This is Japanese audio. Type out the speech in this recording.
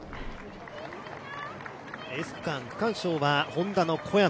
エース区間、区間賞はＨｏｎｄａの小山。